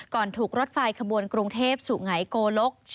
ก่อนถูกรถไฟขบวนกรุงเทพฯสู่ไหน้โกลก